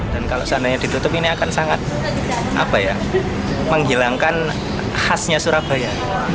dan kalau seandainya ditutup ini akan sangat menghilangkan khasnya surabaya